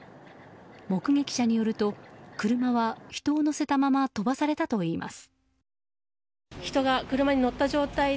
目撃者によると車は人を乗せたまま飛ばされたといいます。